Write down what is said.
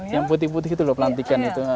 yang putih putih itu loh pelantikan itu